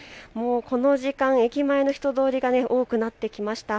この時間、駅前の人通りが多くなってきました。